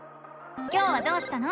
今日はどうしたの？